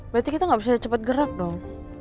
berarti kita ngga bisa cepet gerak dong